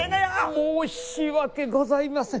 申し訳ございません。